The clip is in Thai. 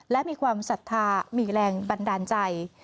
และมีความศรัทธามีแรงบันดาลใจ